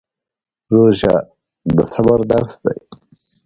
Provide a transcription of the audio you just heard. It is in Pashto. روژه د صبر درس دی